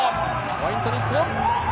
ポイント、日本。